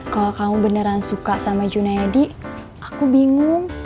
kalau kamu beneran suka sama june eddy aku bingung